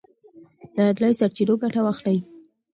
د آنلاین سرچینو څخه ګټه واخلئ.